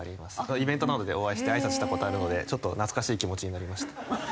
イベントなどでお会いして挨拶した事あるのでちょっと懐かしい気持ちになりました。